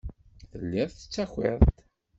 Telliḍ tettakiḍ-d.